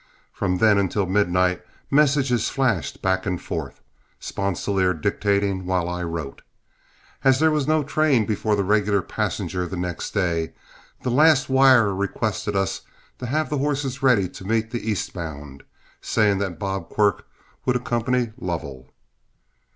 From then until midnight, messages flashed back and forth, Sponsilier dictating while I wrote. As there was no train before the regular passenger the next day, the last wire requested us to have the horses ready to meet the Eastbound, saying that Bob Quirk would accompany Lovell.